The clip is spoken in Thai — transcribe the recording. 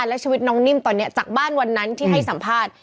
และชีวิตน้องนิ่มตอนนี้จากบ้านวันนั้นที่ให้สัมภาษณ์